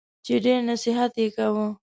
چي ډېر نصیحت یې کاوه !